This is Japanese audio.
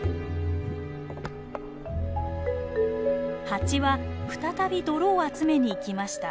ハチは再び泥を集めに行きました。